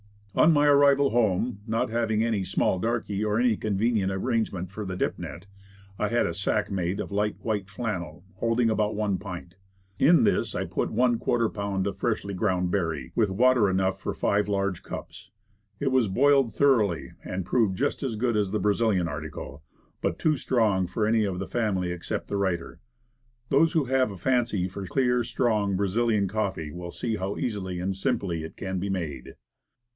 On my arrival home not having any small darky or any convenient arrangement for the dip net I had a sack made of light, white flannel, holding about one pint. Into this I put one quarter pound of freshly ground berry, with water enough for five large cups. It was boiled thoroughly, and proved just as good as the Brazilian article, but too strong for any of the family except the writer. Those who 98 Woodcraft. have a fancy for clear, strong ' 'Brazilian coffee," will see how easily and simply it can be made.